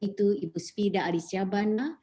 itu ibu svida alisya banna